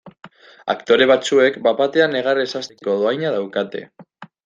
Aktore batzuek bat batean negarrez hasteko dohaina daukate.